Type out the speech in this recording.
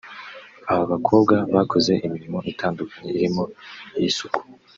Aba bakobwa bakoze imirimo itandukanye irimo iy’isuku